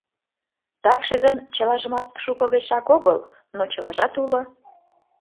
Такше гын чылажымат шуко гычшак огыл... но чылажат уло!